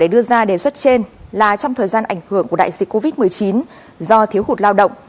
đề xuất trên là trong thời gian ảnh hưởng của đại dịch covid một mươi chín do thiếu hụt lao động